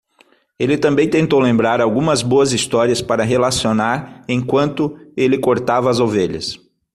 Ele também tentou lembrar algumas boas histórias para relacionar enquanto ele cortava as ovelhas.